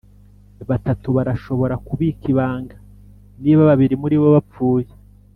batatu barashobora kubika ibanga, niba babiri muri bo bapfuye.